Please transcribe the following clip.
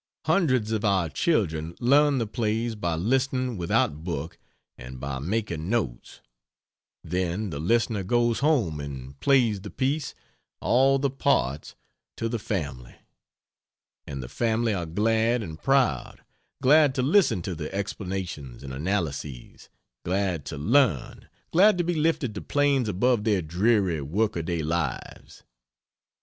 Hundreds of our children learn, the plays by listening without book, and by making notes; then the listener goes home and plays the piece all the parts! to the family. And the family are glad and proud; glad to listen to the explanations and analyses, glad to learn, glad to be lifted to planes above their dreary workaday lives.